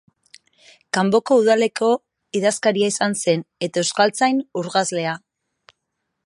Kanboko udaleko idazkaria izan zen, eta euskaltzain urgazlea.